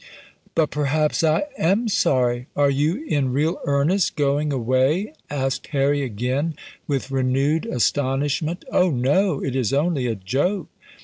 "But perhaps I am sorry! Are you in real earnest going away?" asked Harry again, with renewed astonishment. "Oh no! it is only a joke!"